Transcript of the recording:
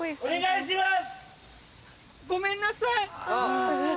判定お願いします。